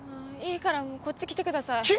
いいからこっち来てください。